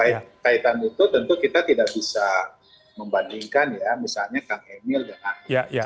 nah kaitan itu tentu kita tidak bisa membandingkan ya misalnya kang emil dan